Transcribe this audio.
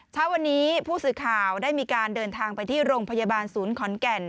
เช้าวันนี้ผู้สื่อข่าวได้มีการเดินทางไปที่โรงพยาบาลศูนย์ขอนแก่น